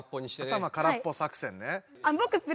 頭空っぽ作戦ね。